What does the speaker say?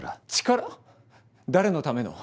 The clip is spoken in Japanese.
誰のための？